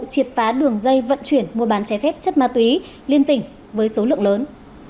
triệt phá đường dây vận chuyển mua bán trái phép chất ma túy liên tỉnh với số lượng lớn